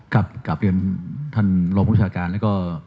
ครับกราบเรียนท่านรองประกอบคุณศาลการณ์แล้วก็